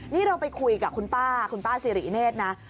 นี่เราไปคุยกับคุณป้าคุณป้าสิริเนธนะ